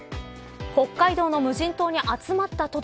北海道の無人島に集まったトド。